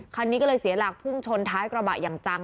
คันนี้ก็เลยเสียหลักพุ่งชนท้ายกระบะอย่างจัง